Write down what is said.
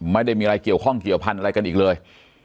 ไม่ได้มีอะไรเกี่ยวข้องเกี่ยวพันธุ์อะไรกันอีกเลย